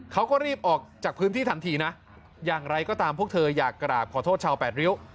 เขาก็รีบออกจากพื้นที่ทันทีนะอย่างไรก็ตามพวกเธออยากกราบขอโทษชาวแปดริ้ว